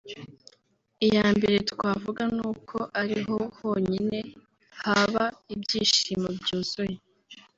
Iya mbere twavuga ni uko ariho honyine haba ibyishimo byuzuye